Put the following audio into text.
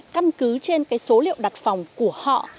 căn cứ trên cái số liệu đặt phòng của họ